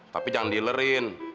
tapi jangan dealerin